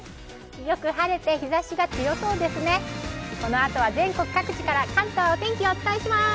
よく晴れて、日ざしが強そうですね増田さん！